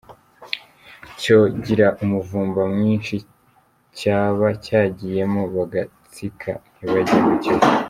Cyo kigira umuvumba mwinshi ,cyaba cyagiyemo bagatsika ntibajye mu Kivu.